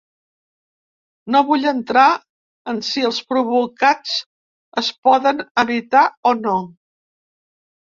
No vull entrar en si els provocats es poden evitar o no.